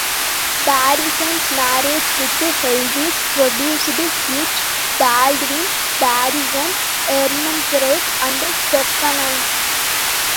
Barisan's marriage with Helvis produced Hugh, Baldwin, Barisan, Ermengarde, and Stephanie.